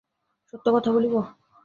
সত্য কথা বলিব?